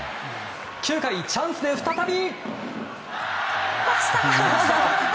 ９回、チャンスで再び。